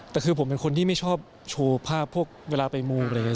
แต่คือผมเป็นคนที่ไม่ชอบโชว์ภาพพวกเวลาไปมูอะไรอย่างนี้